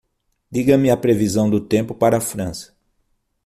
Diga-me a previsão do tempo para a França